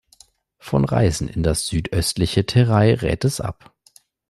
Von Reisen in das südöstliche Terai rät es ab.